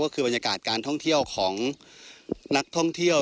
ก็คือบรรยากาศการท่องเที่ยวของนักท่องเที่ยว